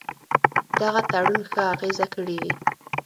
دغه تړون ښه اغېزه کړې وي.